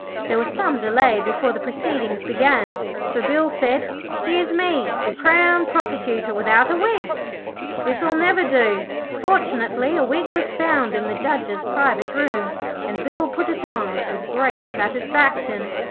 There was some delay before the proceedings began, for Bill said, 'Here's me, the Crown Prosecutor, without a wig. This'll never do.' Fortunately, a wig was found in the Judge's private room, and Bill put it on with great satisfaction.